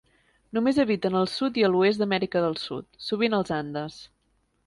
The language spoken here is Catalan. Només habiten al sud i a l'oest d'Amèrica del Sud, sovint als Andes.